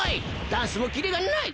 ダンスもキレがない！